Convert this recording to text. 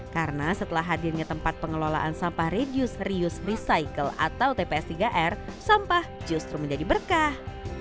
karena setelah hadirnya tempat pengelolaan sampah reduce reuse recycle atau tps tiga r sampah justru menjadi berkah